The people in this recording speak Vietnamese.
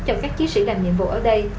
cho các chiến sĩ làm nhiệm vụ ở đây